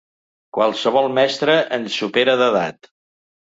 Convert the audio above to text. Qualsevol mestre ens supera d'edat.